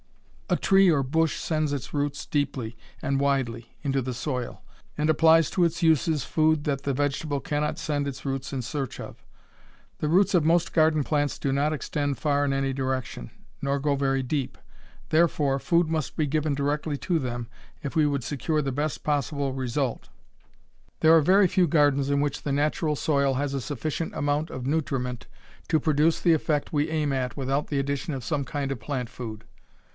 A tree or a bush sends its roots deeply and widely into the soil, and applies to its uses food that the vegetable cannot send its roots in search of. The roots of most garden plants do not extend far in any direction, nor go very deep; therefore food must be given directly to them if we would secure the best possible result. There are very few gardens in which the natural soil has a sufficient amount of nutriment to produce the effect we aim at without the addition of some kind of plant food.